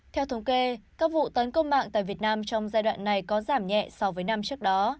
theo thống kê các vụ tấn công mạng tại việt nam trong giai đoạn này có giảm nhẹ so với năm trước đó